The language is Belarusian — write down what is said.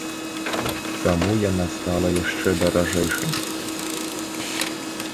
Таму яна стала яшчэ даражэйшай.